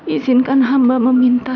izinkan hamba meminta